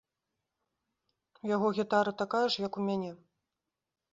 У яго гітара такая ж, як у мяне!